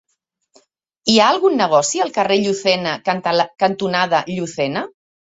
Hi ha algun negoci al carrer Llucena cantonada Llucena?